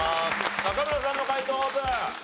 中村さんの解答オープン。